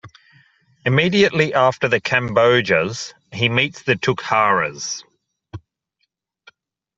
Immediately after the Kambojas, he meets the Tukharas.